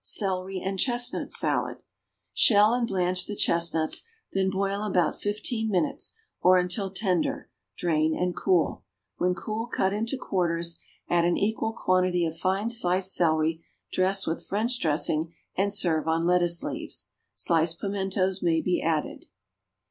=Celery and Chestnut Salad.= Shell and blanch the chestnuts; then boil about fifteen minutes, or until tender; drain and cool. When cool cut into quarters, add an equal quantity of fine sliced celery, dress with French dressing, and serve on lettuce leaves. Sliced pimentos may be added.